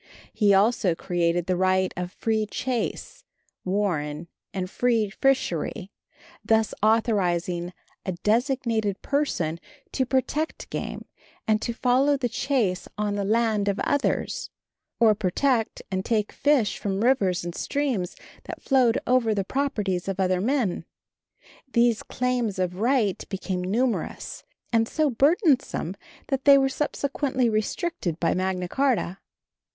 He also created the right of free chase, warren and free fishery, thus authorizing a designated person to protect game and to follow the chase on the land of others, or protect and take fish from rivers and streams that flowed over the properties of other men. These claims of right became numerous and so burdensome that they were subsequently restricted by Magna Charta.